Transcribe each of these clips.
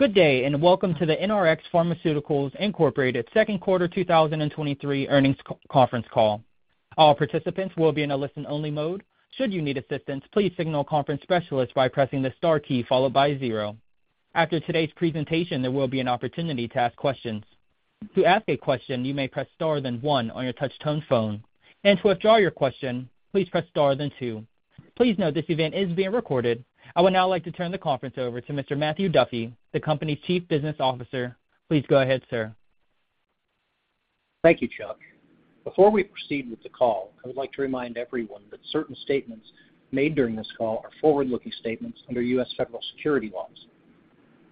Good day. Welcome to the NRx Pharmaceuticals Incorporated Second Quarter 2023 earnings conference call. All participants will be in a listen-only mode. Should you need assistance, please signal a conference specialist by pressing the star key followed by zero. After today's presentation, there will be an opportunity to ask questions. To ask a question, you may press star, then one on your touchtone phone, and to withdraw your question, please press star, then two. Please note this event is being recorded. I would now like to turn the conference over to Mr. Matthew Duffy, the company's Chief Business Officer. Please go ahead, sir. Thank you, Chuck. Before we proceed with the call, I would like to remind everyone that certain statements made during this call are forward-looking statements under U.S. federal securities laws.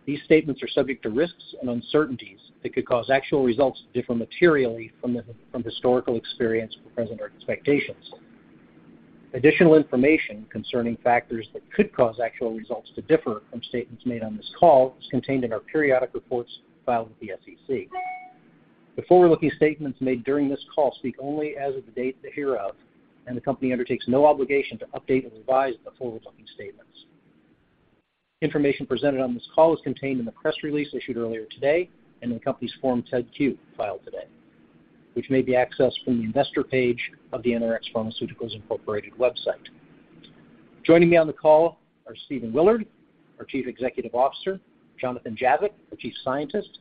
These statements are subject to risks and uncertainties that could cause actual results to differ materially from historical experience or present expectations. Additional information concerning factors that could cause actual results to differ from statements made on this call is contained in our periodic reports filed with the SEC. The forward-looking statements made during this call speak only as of the date hereof, and the company undertakes no obligation to update or revise the forward-looking statements. Information presented on this call is contained in the press release issued earlier today and in the company's Form 10-Q filed today, which may be accessed from the investor page of the NRx Pharmaceuticals Incorporated website. Joining me on the call are Stephen Willard, our Chief Executive Officer, Jonathan Javitt, our Chief Scientist,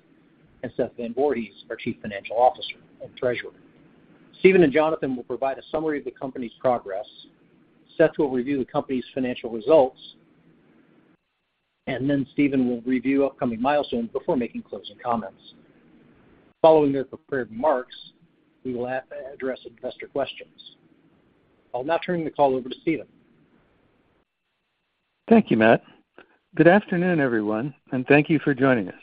and Seth Van Voorhis, our Chief Financial Officer and Treasurer. Stephen and Jonathan will provide a summary of the company's progress. Seth will review the company's financial results, and then Stephen will review upcoming milestones before making closing comments. Following their prepared remarks, we will address investor questions. I'll now turn the call over to Stephen. Thank you, Matt. Good afternoon, everyone, and thank you for joining us.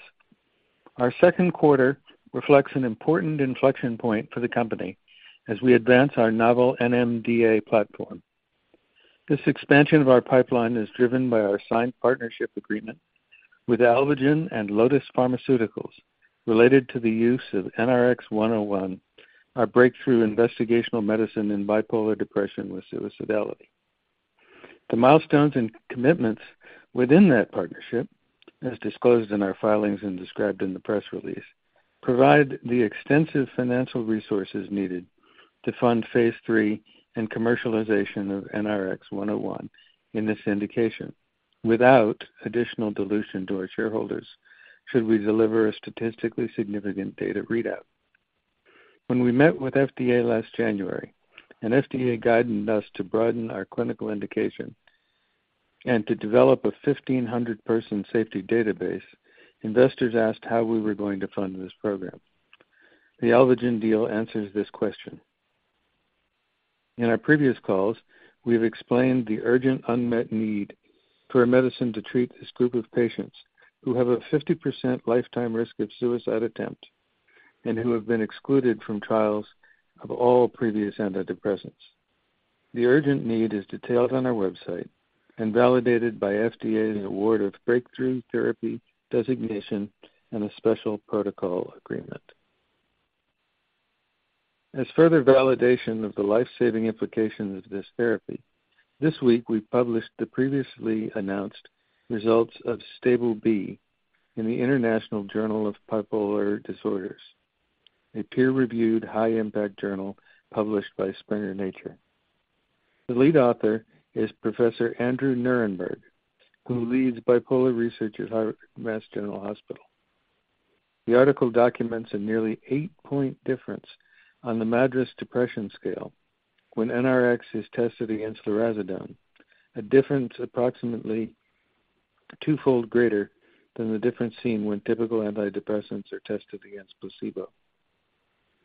Our second quarter reflects an important inflection point for the company as we advance our novel NMDA platform. This expansion of our pipeline is driven by our signed partnership agreement with Alvogen and Lotus Pharmaceuticals related to the use of NRX-101, our Breakthrough Investigational Medicine in bipolar depression with suicidality. The milestones and commitments within that partnership, as disclosed in our filings and described in the press release, provide the extensive financial resources needed to fund phase III and commercialization of NRX-101 in this indication, without additional dilution to our shareholders should we deliver a statistically significant data readout. When we met with FDA last January, and FDA guided us to broaden our clinical indication and to develop a 1,500 person safety database, investors asked how we were going to fund this program. The Alvogen deal answers this question. In our previous calls, we've explained the urgent unmet need for a medicine to treat this group of patients who have a 50% lifetime risk of suicide attempt and who have been excluded from trials of all previous antidepressants. The urgent need is detailed on our website and validated by FDA's award of Breakthrough Therapy Designation and a Special Protocol Assessment. As further validation of the life-saving implications of this therapy, this week, we published the previously announced results of STABLE-B in the International Journal of Bipolar Disorders, a peer-reviewed, high-impact journal published by Springer Nature. The lead author is Professor Andrew Nierenberg, who leads bipolar research at Massachusetts General Hospital. The article documents a nearly 8-point difference on the MADRS when NRX is tested against lurasidone, a difference approximately twofold greater than the difference seen when typical antidepressants are tested against placebo.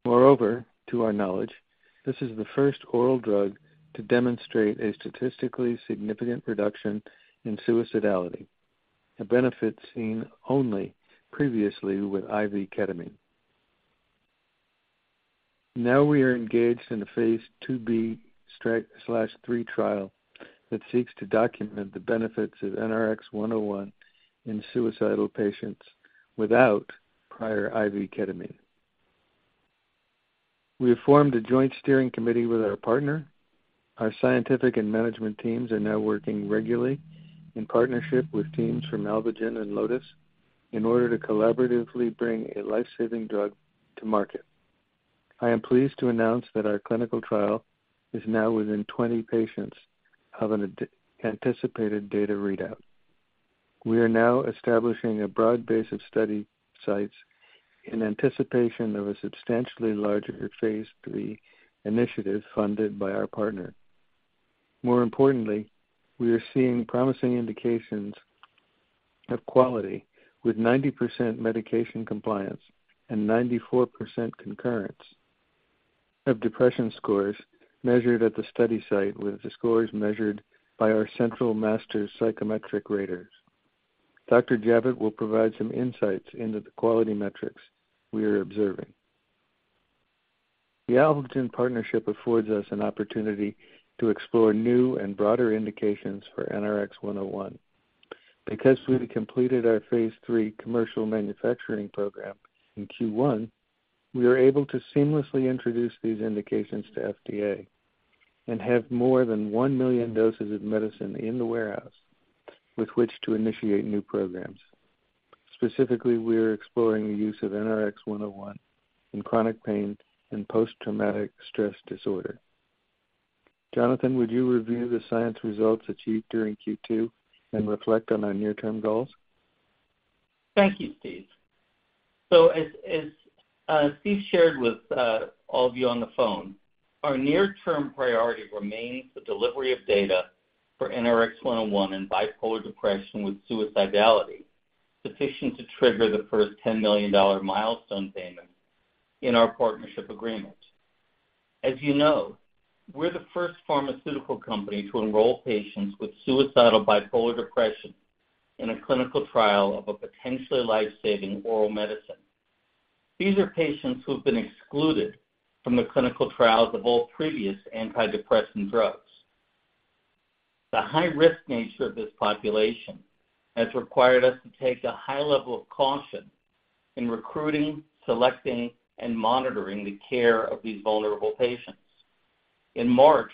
To our knowledge, this is the first oral drug to demonstrate a statistically significant reduction in suicidality, a benefit seen only previously with IV ketamine. Now we are engaged in a phase IIb/III trial that seeks to document the benefits of NRX-101 in suicidal patients without prior IV ketamine. We have formed a joint steering committee with our partner. Our scientific and management teams are now working regularly in partnership with teams from Alvogen and Lotus in order to collaboratively bring a life-saving drug to market. I am pleased to announce that our clinical trial is now within 20 patients of an anticipated data readout. We are now establishing a broad base of study sites in anticipation of a substantially larger phase III initiative funded by our partner. More importantly, we are seeing promising indications of quality with 90% medication compliance and 94% concurrence of depression scores measured at the study site, with the scores measured by our central master psychometric raters. Dr. Javitt will provide some insights into the quality metrics we are observing. The Alvogen partnership affords us an opportunity to explore new and broader indications for NRX-101. Because we completed our phase III commercial manufacturing program in Q1, we are able to seamlessly introduce these indications to FDA and have more than 1 million doses of medicine in the warehouse with which to initiate new programs. Specifically, we are exploring the use of NRX-101 in chronic pain and post-traumatic stress disorder. Jonathan, would you review the science results achieved during Q2 and reflect on our near-term goals? Thank you, Steve. As, as Steve shared with all of you on the phone, our near-term priority remains the delivery of data for NRX-101 in bipolar depression with suicidality, sufficient to trigger the first $10 million milestone payment in our partnership agreement. As you know, we're the first pharmaceutical company to enroll patients with suicidal bipolar depression in a clinical trial of a potentially life-saving oral medicine. These are patients who have been excluded from the clinical trials of all previous antidepressant drugs. The high-risk nature of this population has required us to take a high level of caution in recruiting, selecting, and monitoring the care of these vulnerable patients. In March,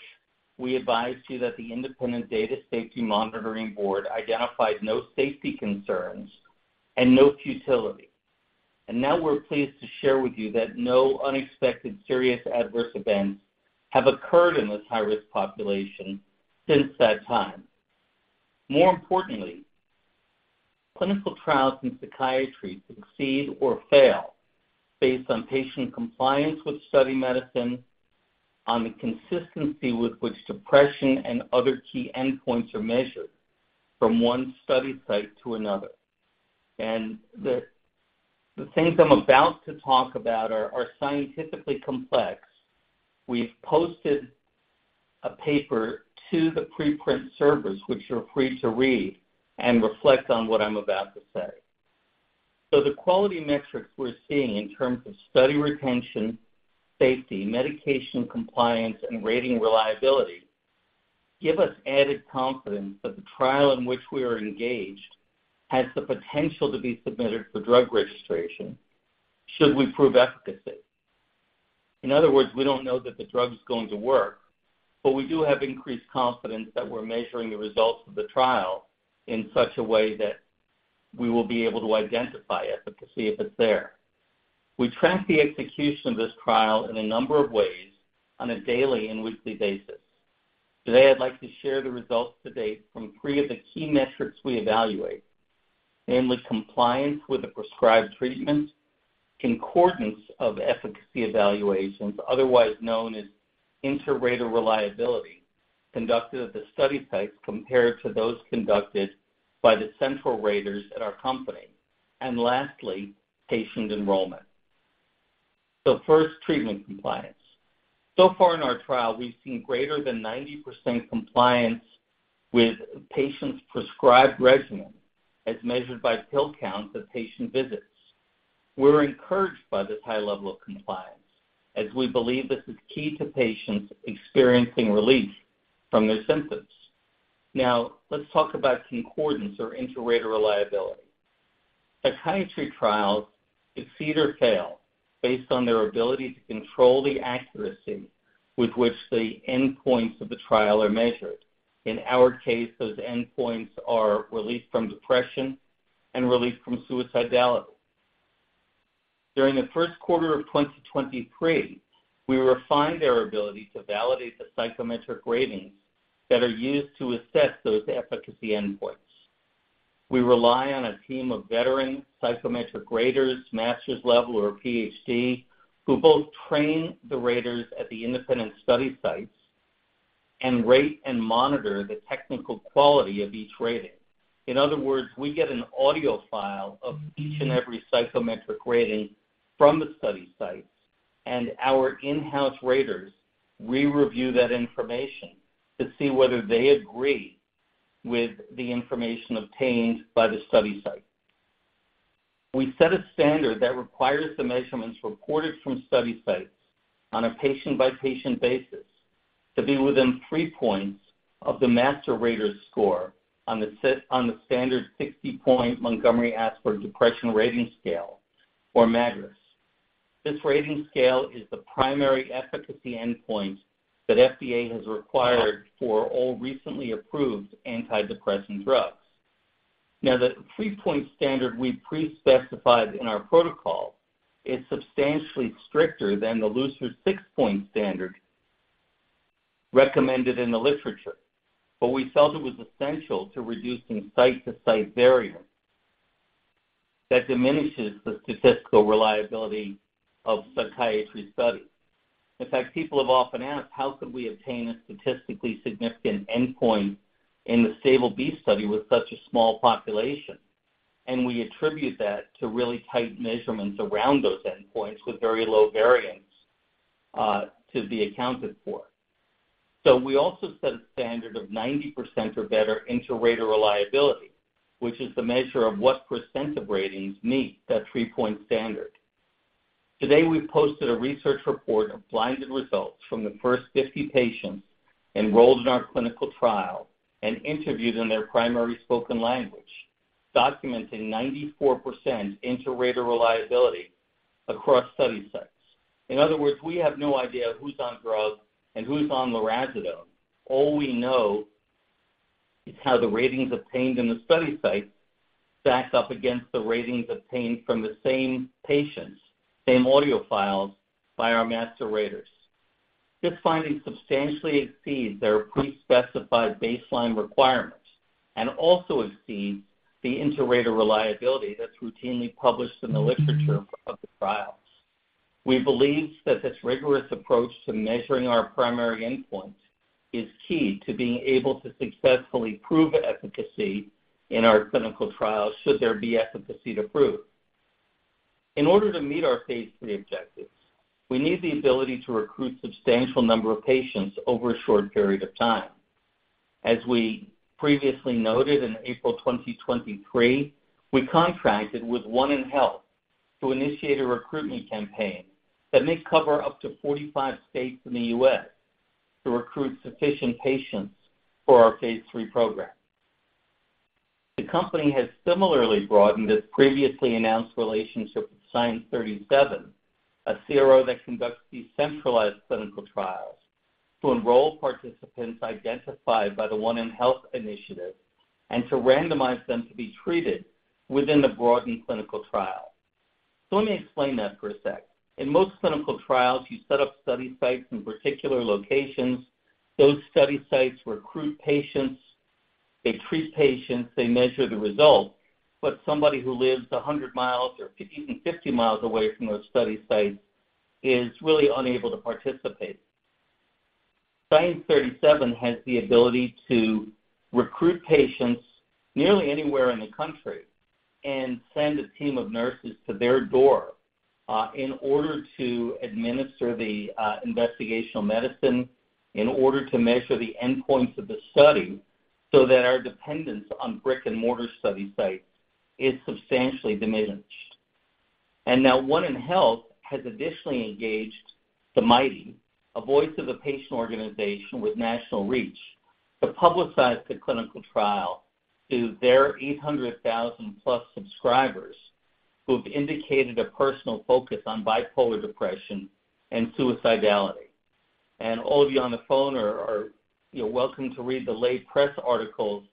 we advised you that the independent Data Safety Monitoring Board identified no safety concerns and no futility. Now we're pleased to share with you that no unexpected serious adverse events have occurred in this high-risk population since that time. More importantly, clinical trials in psychiatry succeed or fail based on patient compliance with study medicine, on the consistency with which depression and other key endpoints are measured from one study site to another. The things I'm about to talk about are scientifically complex. We've posted a paper to the preprint servers, which you're free to read and reflect on what I'm about to say. The quality metrics we're seeing in terms of study retention, safety, medication compliance, and rating reliability, give us added confidence that the trial in which we are engaged has the potential to be submitted for drug registration should we prove efficacy. In other words, we don't know that the drug is going to work, but we do have increased confidence that we're measuring the results of the trial in such a way that we will be able to identify efficacy if it's there. We track the execution of this trial in a number of ways on a daily and weekly basis. Today, I'd like to share the results to date from 3 of the key metrics we evaluate. Namely, compliance with the prescribed treatment, concordance of efficacy evaluations, otherwise known as inter-rater reliability, conducted at the study sites compared to those conducted by the central raters at our company, and lastly, patient enrollment. First, treatment compliance. Far in our trial, we've seen greater than 90% compliance with patients' prescribed regimen as measured by pill counts of patient visits. We're encouraged by this high level of compliance, as we believe this is key to patients experiencing relief from their symptoms. Let's talk about concordance or inter-rater reliability. Psychiatry trials succeed or fail based on their ability to control the accuracy with which the endpoints of the trial are measured. In our case, those endpoints are relief from depression and relief from suicidality. During the first quarter of 2023, we refined our ability to validate the psychometric ratings that are used to assess those efficacy endpoints. We rely on a team of veteran psychometric raters, master's level or PhD, who both train the raters at the independent study sites and rate and monitor the technical quality of each rating. In other words, we get an audio file of each and every psychometric rating from the study sites, and our in-house raters re-review that information to see whether they agree with the information obtained by the study site. We set a standard that requires the measurements reported from study sites on a patient-by-patient basis to be within 3 points of the master rater's score on the standard 60-point Montgomery-Åsberg Depression Rating Scale, or MADRS. This rating scale is the primary efficacy endpoint that FDA has required for all recently approved antidepressant drugs. The 3-point standard we pre-specified in our protocol is substantially stricter than the looser 6-point standard recommended in the literature, but we felt it was essential to reducing site-to-site variance that diminishes the statistical reliability of psychiatry studies. In fact, people have often asked, how could we obtain a statistically significant endpoint in the STABLE-B study with such a small population? We attribute that to really tight measurements around those endpoints with very low variance to be accounted for. We also set a standard of 90% or better inter-rater reliability, which is the measure of what percent of ratings meet that 3-point standard. Today, we posted a research report of blinded results from the first 50 patients enrolled in our clinical trial and interviewed in their primary spoken language, documenting 94% inter-rater reliability across study sites. In other words, we have no idea who's on drug and who's on lurasidone. All we know is how the ratings obtained in the study site stacks up against the ratings obtained from the same patients, same audio files by our master raters. This finding substantially exceeds their pre-specified baseline requirements and also exceeds the inter-rater reliability that's routinely published in the literature of the trials. We believe that this rigorous approach to measuring our primary endpoint is key to being able to successfully prove efficacy in our clinical trials should there be efficacy to prove. In order to meet our phase III objectives, we need the ability to recruit substantial number of patients over a short period of time. As we previously noted, in April 2023, we contracted with 1nHealth to initiate a recruitment campaign that may cover up to 45 states in the U.S. to recruit sufficient patients for our phase III program. The company has similarly broadened its previously announced relationship with Science 37, a CRO that conducts decentralized clinical trials to enroll participants identified by the One In Health initiative and to randomize them to be treated within the broadened clinical trial. Let me explain that for a sec. In most clinical trials, you set up study sites in particular locations. Those study sites recruit patients, they treat patients, they measure the results. Somebody who lives 100 miles or even 50 miles away from those study sites is really unable to participate. Science 37 has the ability to recruit patients nearly anywhere in the country and send a team of nurses to their door in order to administer the investigational medicine, in order to measure the endpoints of the study, so that our dependence on brick-and-mortar study sites is substantially diminished. Now, One In Health has additionally engaged The Mighty, a voice of the patient organization with national reach, to publicize the clinical trial to their 800,000+ subscribers who have indicated a personal focus on bipolar depression and suicidality. All of you on the phone are, you know, welcome to read the late press articles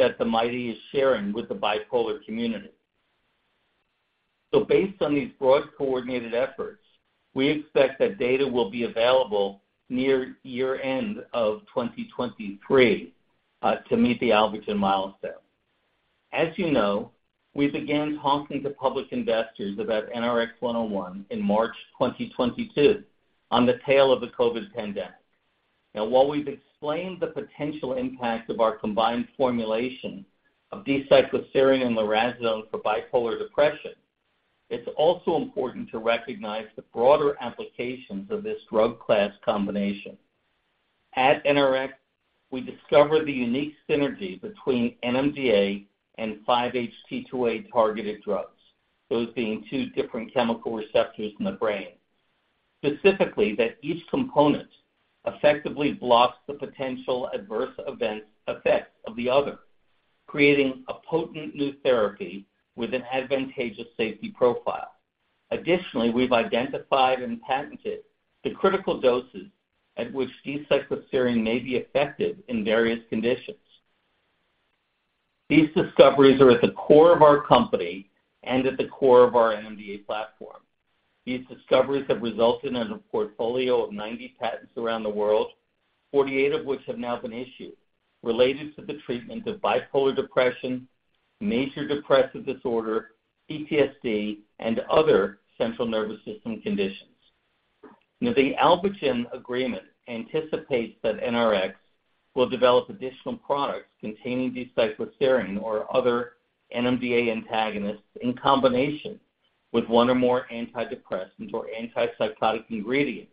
that The Mighty is sharing with the bipolar community. Based on these broad, coordinated efforts, we expect that data will be available near year-end of 2023 to meet the Alvogen milestone. As you know, we began talking to public investors about NRX-101 in March 2022, on the tail of the COVID pandemic. Now, while we've explained the potential impact of our combined formulation of D-cycloserine and lurasidone for bipolar depression, it's also important to recognize the broader applications of this drug class combination. At NRX, we discover the unique synergy between NMDA and 5-HT2A targeted drugs, those being two different chemical receptors in the brain. Specifically, that each component effectively blocks the potential adverse effects of the other, creating a potent new therapy with an advantageous safety profile. Additionally, we've identified and patented the critical doses at which D-cycloserine may be effective in various conditions. These discoveries are at the core of our company and at the core of our NMDA platform. These discoveries have resulted in a portfolio of 90 patents around the world, 48 of which have now been issued, related to the treatment of bipolar depression, major depressive disorder, PTSD, and other central nervous system conditions. The Alvogen agreement anticipates that NRx will develop additional products containing D-cycloserine or other NMDA antagonists in combination with one or more antidepressants or antipsychotic ingredients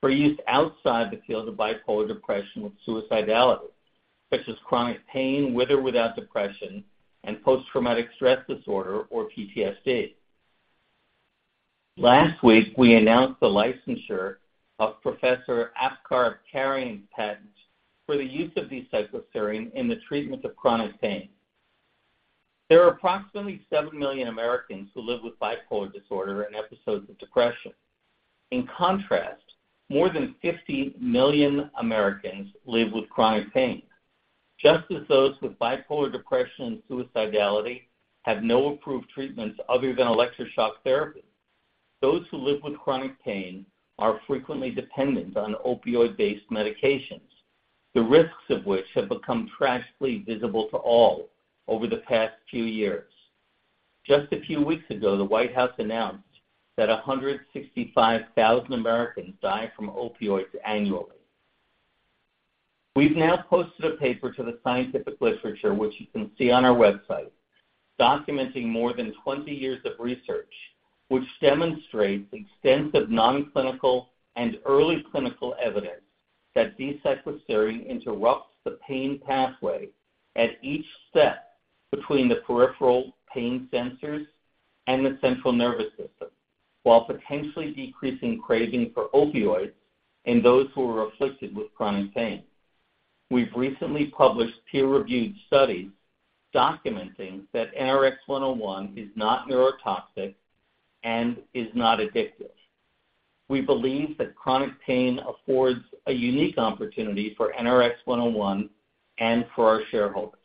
for use outside the field of bipolar depression with suicidality, such as chronic pain, with or without depression, and post-traumatic stress disorder or PTSD. Last week, we announced the licensure of Professor Apkarian patent for the use of D-cycloserine in the treatment of chronic pain. There are approximately 7 million Americans who live with bipolar disorder and episodes of depression. In contrast, more than 50 million Americans live with chronic pain. Just as those with bipolar depression and suicidality have no approved treatments other than electroconvulsive therapy, those who live with chronic pain are frequently dependent on opioid-based medications, the risks of which have become tragically visible to all over the past few years. Just a few weeks ago, the White House announced that 165 Americans die from opioids annually. We've now posted a paper to the scientific literature, which you can see on our website, documenting more than 20 years of research, which demonstrates extensive non-clinical and early clinical evidence that D-cycloserine interrupts the pain pathway at each step between the peripheral pain sensors and the central nervous system, while potentially decreasing craving for opioids in those who are afflicted with chronic pain. We've recently published peer-reviewed studies documenting that NRX-101 is not neurotoxic and is not addictive. We believe that chronic pain affords a unique opportunity for NRX-101 and for our shareholders.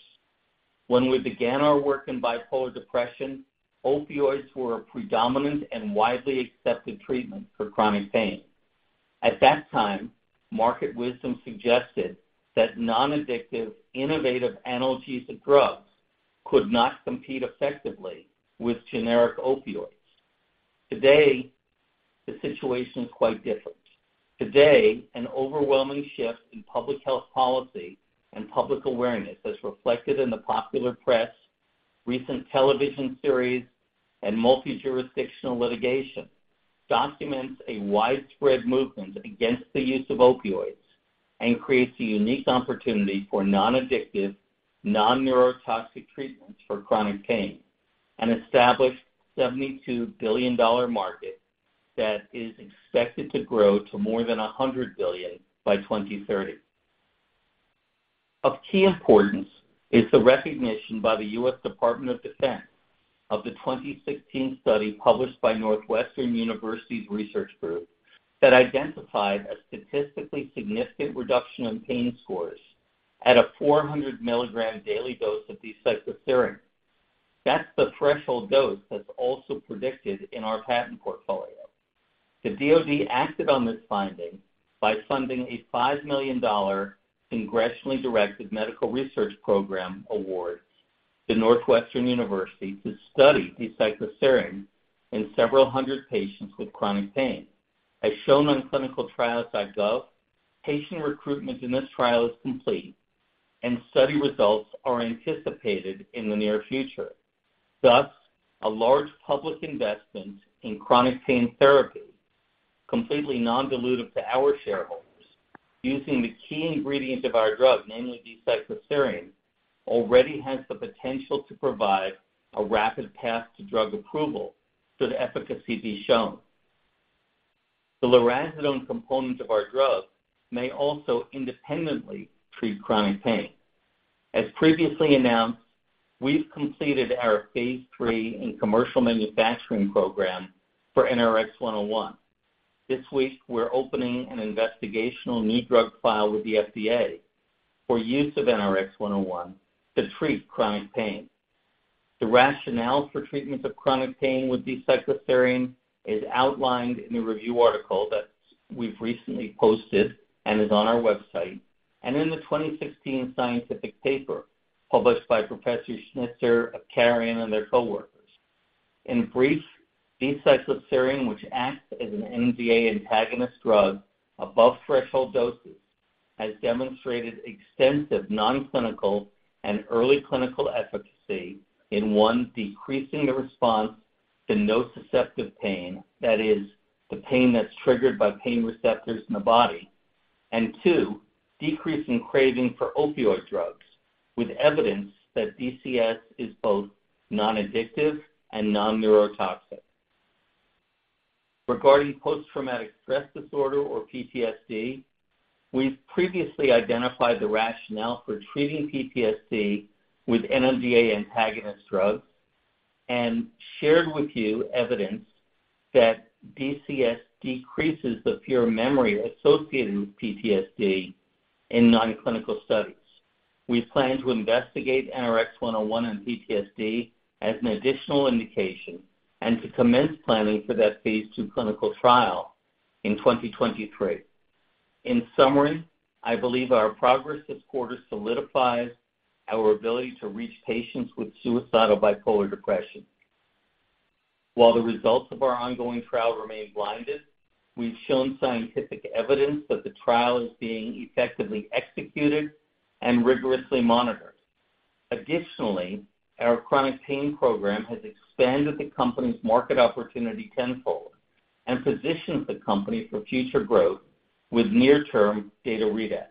When we began our work in bipolar depression, opioids were a predominant and widely accepted treatment for chronic pain. At that time, market wisdom suggested that non-addictive, innovative analgesic drugs could not compete effectively with generic opioids. Today, the situation is quite different. Today, an overwhelming shift in public health policy and public awareness is reflected in the popular press, recent television series, and multi-jurisdictional litigation, documents a widespread movement against the use of opioids and creates a unique opportunity for non-addictive, non-neurotoxic treatments for chronic pain, an established $72 billion market that is expected to grow to more than $100 billion by 2030. Of key importance is the recognition by the U.S. Department of Defense of the 2016 study published by Northwestern University's research group, that identified a statistically significant reduction in pain scores at a 400 milligram daily dose of D-cycloserine. That's the threshold dose that's also predicted in our patent portfolio. The DoD acted on this finding by funding a $5 million Congressionally Directed Medical Research Programs award to Northwestern University to study D-cycloserine in several hundred patients with chronic pain. As shown on ClinicalTrials.gov, patient recruitment in this trial is complete, and study results are anticipated in the near future. Thus, a large public investment in chronic pain therapy, completely non-dilutive to our shareholders, using the key ingredient of our drug, namely D-cycloserine, already has the potential to provide a rapid path to drug approval should efficacy be shown. The lurasidone component of our drug may also independently treat chronic pain. As previously announced, we've completed our phase III and commercial manufacturing program for NRX-101. This week, we're opening an Investigational New Drug file with the FDA for use of NRX-101 to treat chronic pain. The rationale for treatments of chronic pain with D-cycloserine is outlined in the review article that we've recently posted and is on our website, and in the 2016 scientific paper published by Professor Schnitzer, Akarian, and their coworkers. In brief, D-cycloserine, which acts as an NMDA antagonist drug above threshold doses, has demonstrated extensive non-clinical and early clinical efficacy in, 1, decreasing the response to nociceptive pain, that is, the pain that's triggered by pain receptors in the body, and 2, decreasing craving for opioid drugs, with evidence that DCS is both non-addictive and non-neurotoxic. Regarding post-traumatic stress disorder, or PTSD, we've previously identified the rationale for treating PTSD with NMDA antagonist drugs and shared with you evidence that DCS decreases the fear of memory associated with PTSD in non-clinical studies. We plan to investigate NRX-101 and PTSD as an additional indication and to commence planning for that phase II clinical trial in 2023. In summary, I believe our progress this quarter solidifies our ability to reach patients with suicidal bipolar depression. While the results of our ongoing trial remain blinded, we've shown scientific evidence that the trial is being effectively executed and rigorously monitored. Additionally, our chronic pain program has expanded the company's market opportunity tenfold and positions the company for future growth with near-term data readouts.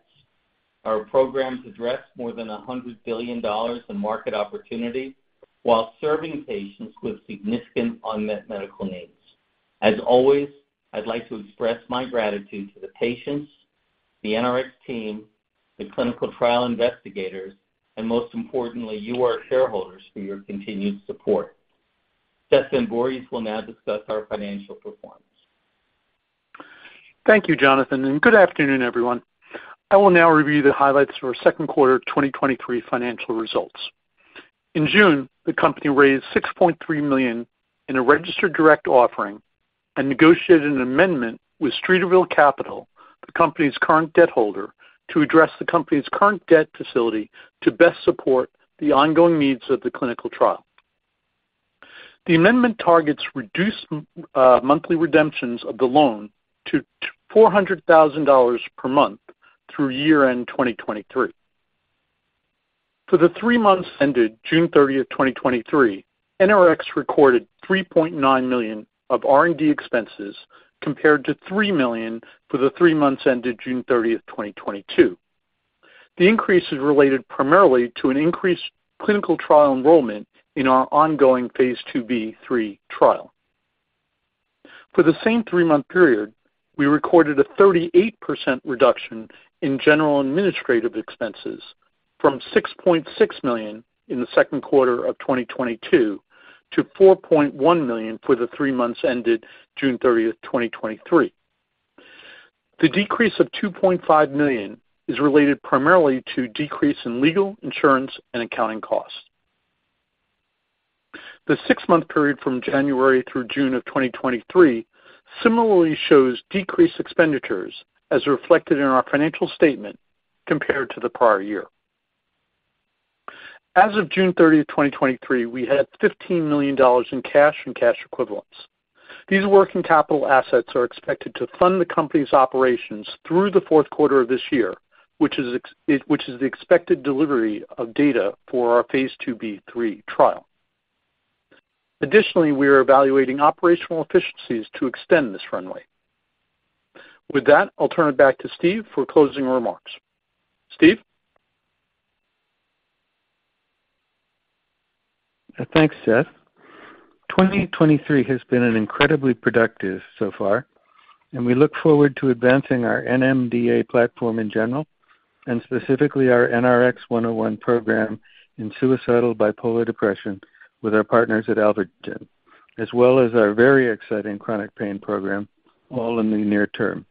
Our programs address more than $100 billion in market opportunity while serving patients with significant unmet medical needs. As always, I'd like to express my gratitude to the patients, the NRx team, the clinical trial investigators, and most importantly, you, our shareholders, for your continued support. Seth Van Voorhis will now discuss our financial performance. Thank you, Jonathan, and good afternoon, everyone. I will now review the highlights for our second quarter 2023 financial results. In June, the company raised $6.3 million in a registered direct offering and negotiated an amendment with Streeterville Capital, the company's current debt holder, to address the company's current debt facility to best support the ongoing needs of the clinical trial. The amendment targets reduced monthly redemptions of the loan to $400,000 per month through year-end 2023. For the three months ended June 30th, 2023, NRX recorded $3.9 million of R&D expenses, compared to $3 million for the three months ended June 30th, 2022. The increase is related primarily to an increased clinical trial enrollment in our ongoing Phase IIb/III trial. For the same three-month period, we recorded a 38% reduction in general administrative expenses from $6.6 million in the second quarter of 2022 to $4.1 million for the three months ended June thirtieth, 2023. The decrease of $2.5 million is related primarily to decrease in legal, insurance, and accounting costs. The six-month period from January through June of 2023 similarly shows decreased expenditures as reflected in our financial statement compared to the prior year. As of June thirtieth, 2023, we had $15 million in cash and cash equivalents. These working capital assets are expected to fund the company's operations through the fourth quarter of this year, which is the expected delivery of data for our phase IIb/III trial. Additionally, we are evaluating operational efficiencies to extend this runway. With that, I'll turn it back to Steve for closing remarks. Steve? Thanks, Seth. 2023 has been incredibly productive so far. We look forward to advancing our NMDA platform in general, and specifically our NRX-101 program in suicidal bipolar depression with our partners at Alvogen, as well as our very exciting chronic pain program, all in the near term.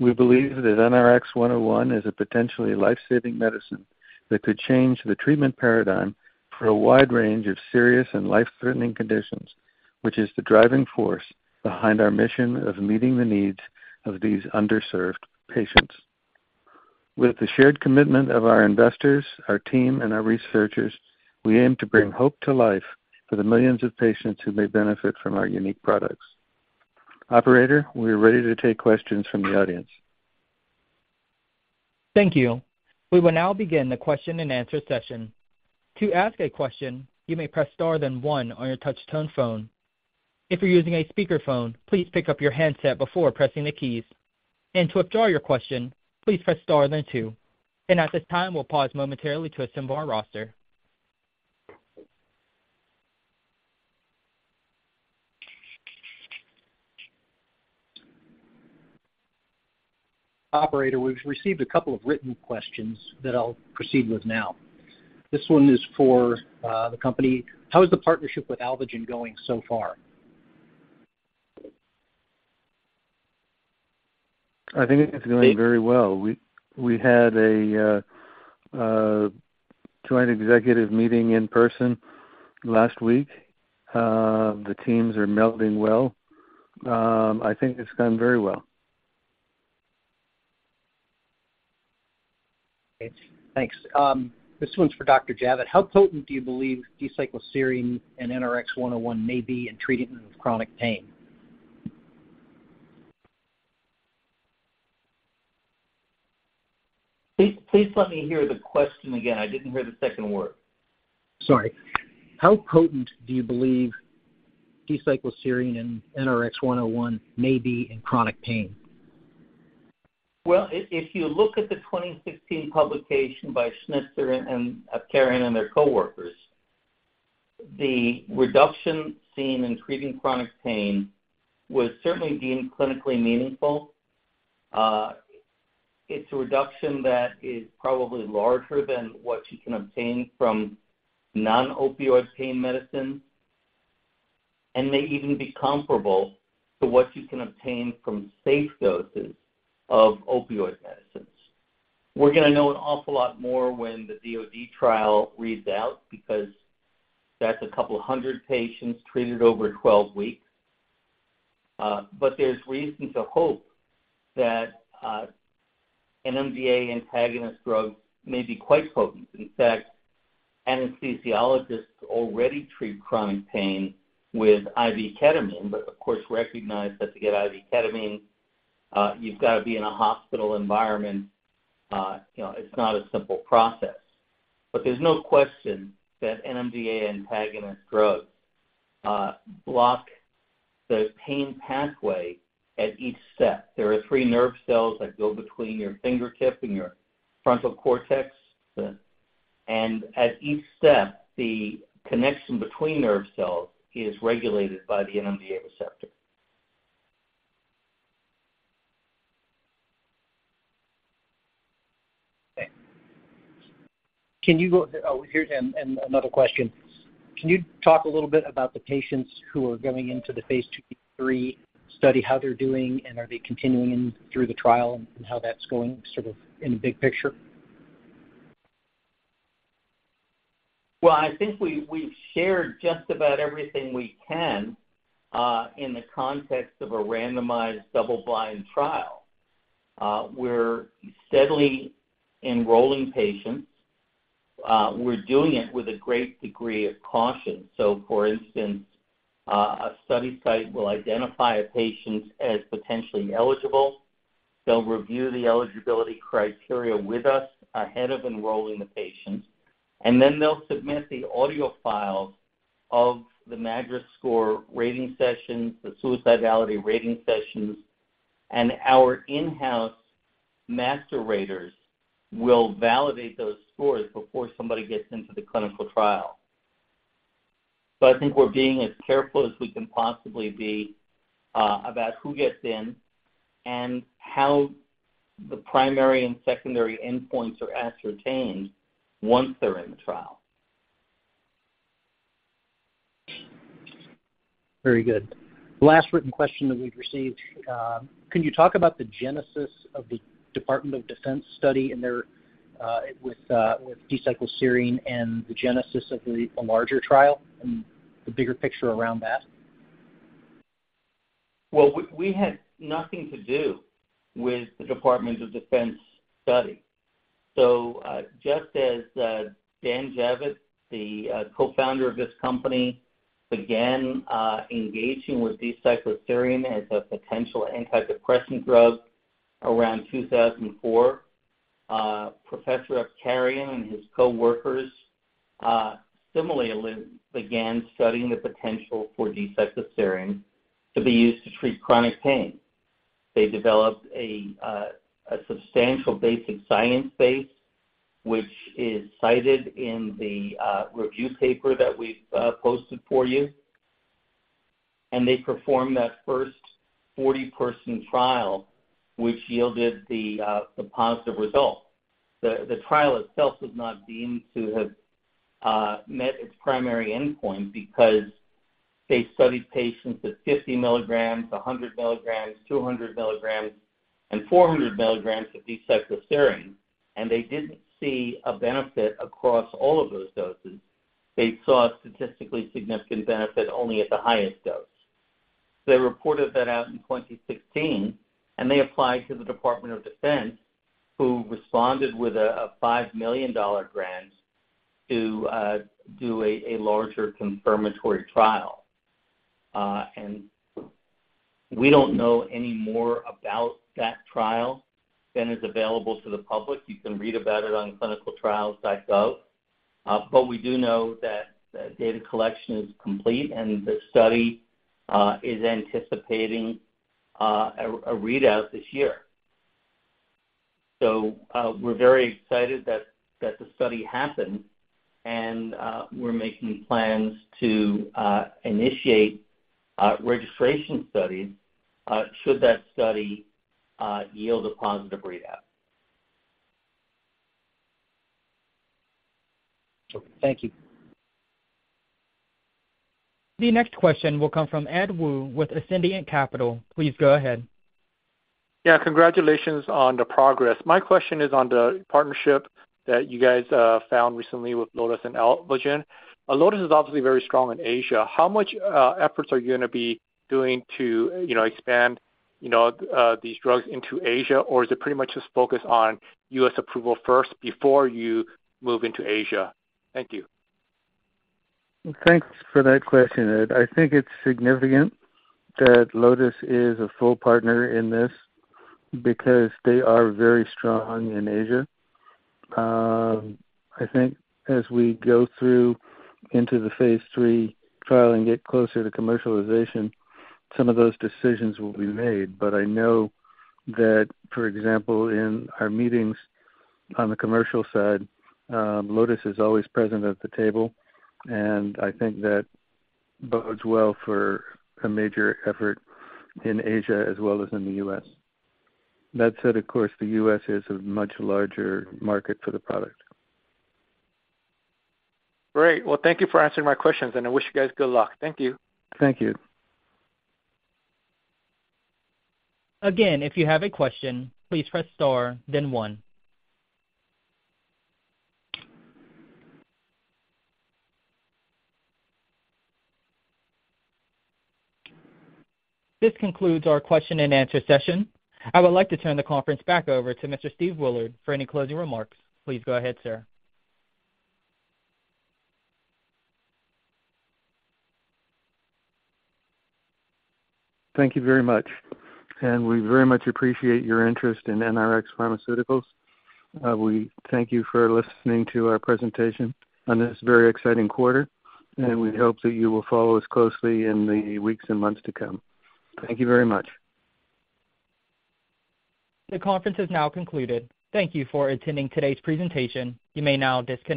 We believe that NRX-101 is a potentially life-saving medicine that could change the treatment paradigm for a wide range of serious and life-threatening conditions, which is the driving force behind our mission of meeting the needs of these underserved patients. With the shared commitment of our investors, our team, and our researchers, we aim to bring hope to life for the millions of patients who may benefit from our unique products. Operator, we are ready to take questions from the audience. Thank you. We will now begin the question-and-answer session. To ask a question, you may press star then one on your touch-tone phone. If you're using a speakerphone, please pick up your handset before pressing the keys. To withdraw your question, please press star then two. At this time, we'll pause momentarily to assemble our roster. Operator, we've received a couple of written questions that I'll proceed with now. This one is for the company. How is the partnership with Alvogen going so far? I think it's going very well. We, we had a, a joint executive meeting in person last week. The teams are melding well. I think it's going very well. Thanks. This one's for Dr. Javitt. How potent do you believe D-cycloserine and NRX-101 may be in treating chronic pain? Please, please let me hear the question again. I didn't hear the second word. Sorry. How potent do you believe D-cycloserine and NRX-101 may be in chronic pain? Well, if, if you look at the 2016 publication by Schnitzer and Apkarian and their coworkers, the reduction seen in treating chronic pain was certainly deemed clinically meaningful. It's a reduction that is probably larger than what you can obtain from non-opioid pain medicine and may even be comparable to what you can obtain from safe doses of opioid medicines. We're gonna know an awful lot more when the DoD trial reads out, because that's 200 patients treated over 12 weeks. There's reason to hope that an NMDA antagonist drug may be quite potent. In fact, anesthesiologists already treat chronic pain with IV ketamine, but of course, recognize that to get IV ketamine, you've got to be in a hospital environment. You know, it's not a simple process. There's no question that NMDA antagonist drugs block the pain pathway at each step. There are 3 nerve cells that go between your fingertip and your frontal cortex. At each step, the connection between nerve cells is regulated by the NMDA receptor. Okay. Oh, here's and, and another question. Can you talk a little bit about the patients who are going into the Phase II/III study, how they're doing, and are they continuing through the trial and how that's going, sort of in the big picture? Well, I think we, we've shared just about everything we can in the context of a randomized double-blind trial. We're steadily enrolling patients. We're doing it with a great degree of caution. For instance, a study site will identify a patient as potentially eligible. They'll review the eligibility criteria with us ahead of enrolling the patient. Then they'll submit the audio file of the MADRS score rating sessions, the suicidality rating sessions, and our in-house master raters will validate those scores before somebody gets into the clinical trial. I think we're being as careful as we can possibly be about who gets in and how the primary and secondary endpoints are ascertained once they're in the trial. Very good. Last written question that we've received. Can you talk about the genesis of the Department of Defense study and their, with, with D-cycloserine and the genesis of the, a larger trial and the bigger picture around that? Well, we, we had nothing to do with the Department of Defense study. Just as Daniel Javitt, the co-founder of this company, began engaging with D-cycloserine as a potential antidepressant drug around 2004, Professor Apkarian and his coworkers similarly began studying the potential for D-cycloserine to be used to treat chronic pain. They developed a substantial basic science base, which is cited in the review paper that we've posted for you. They performed that first 40-person trial, which yielded the positive result. The, the trial itself was not deemed to have met its primary endpoint because they studied patients at 50 milligrams, 100 milligrams, 200 milligrams, and 400 milligrams of D-cycloserine, and they didn't see a benefit across all of those doses. They saw a statistically significant benefit only at the highest dose. They reported that out in 2016. They applied to the Department of Defense, who responded with a $5 million grant to do a larger confirmatory trial. We don't know any more about that trial than is available to the public. You can read about it on ClinicalTrials.gov. We do know that the data collection is complete, and the study is anticipating a readout this year. We're very excited that the study happened, and we're making plans to initiate registration studies should that study yield a positive readout. Thank you. The next question will come from Edward Woo with Ascendiant Capital. Please go ahead. Yeah, congratulations on the progress. My question is on the partnership that you guys found recently with Lotus and Alvogen. Lotus is obviously very strong in Asia. How much efforts are you gonna be doing to, you know, expand, you know, these drugs into Asia? Or is it pretty much just focused on U.S. approval first before you move into Asia? Thank you. Thanks for that question, Ed. I think it's significant that Lotus is a full partner in this because they are very strong in Asia. I think as we go through into the phase III trial and get closer to commercialization, some of those decisions will be made. I know that, for example, in our meetings on the commercial side, Lotus is always present at the table, and I think that bodes well for a major effort in Asia as well as in the U.S. That said, of course, the U.S. is a much larger market for the product. Great. Well, thank you for answering my questions, and I wish you guys good luck. Thank you. Thank you. If you have a question, please press star, then one. This concludes our question and answer session. I would like to turn the conference back over to Mr. Stephen Willard for any closing remarks. Please go ahead, sir. Thank you very much, and we very much appreciate your interest in NRx Pharmaceuticals. We thank you for listening to our presentation on this very exciting quarter, and we hope that you will follow us closely in the weeks and months to come. Thank you very much. The conference is now concluded. Thank you for attending today's presentation. You may now disconnect.